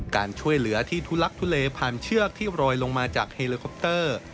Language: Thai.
การช่วยเหลือที่ทุลักทุเลผ่านเชือกที่โรยลงมาจากเฮลิคอปเตอร์